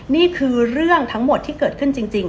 นี่คือเรื่องทั้งหมดที่เกิดขึ้นจริง